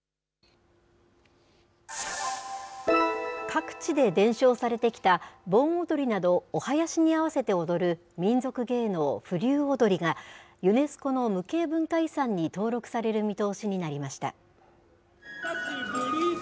各地で伝承されてきた盆踊りなどお囃子に合わせて踊る民俗芸能、風流踊が、ユネスコの無形文化遺産に登録される見通しになりました。